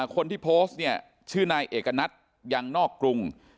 คนที่โพสต์เนี่ยชื่อนายเอกณัฐยังนอกกรุง